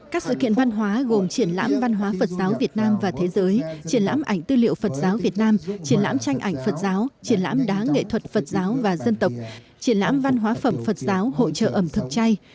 các sự kiện văn hóa gồm triển lãm văn hóa phật giáo việt nam và thế giới triển lãm ảnh tư liệu phật giáo việt nam triển lãm tranh ảnh phật giáo triển lãm đá nghệ thuật phật giáo và dân tộc triển lãm văn hóa phẩm phật giáo hỗ trợ ẩm thực chay